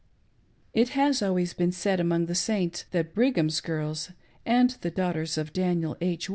It has always been said among the Saints that Brigham's girls and the daughters of Daniel H.